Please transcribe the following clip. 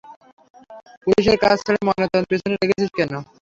পুলিশের কাজ ছেড়ে ময়নাতদন্তের পিছনে লেগেছিস কেন?